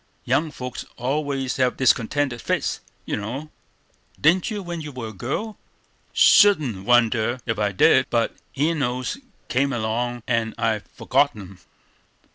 Young folks always have discontented fits, you know. Didn't you when you were a girl?" "Shouldn't wonder ef I did; but Enos came along, and I forgot 'em."